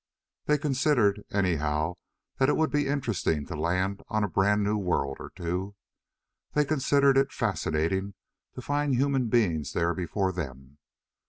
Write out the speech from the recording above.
They considered, anyhow, that it would be interesting to land on a brand new world or two. They considered it fascinating to find human beings there before them.